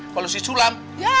kalau si sulam